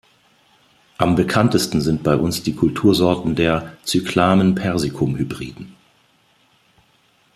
Am bekanntesten sind bei uns die Kultursorten der "Cyclamen-persicum"-Hybriden.